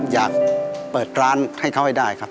อยากเปิดร้านให้เขาให้ได้ครับ